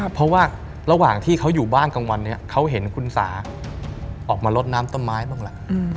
เพราะว่าระหว่างที่เขาอยู่บ้านกลางวันเนี่ยเขาเห็นคุณสาออกมาลดน้ำต้นไม้บ้างล่ะ